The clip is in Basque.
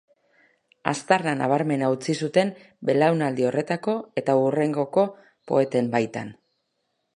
Aztarna nabarmena utzi zuten belaunaldi horretako eta hurrengoko poeten baitan.